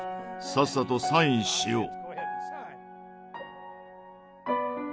さっさとサインしよう！」。